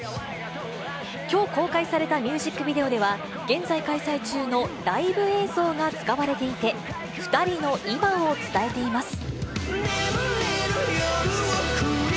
きょう公開されたミュージックビデオでは、現在開催中のライブ映像が使われていて、２人の今を伝えています。